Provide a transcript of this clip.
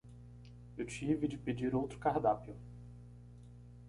Eu tive de pedir outro cardápio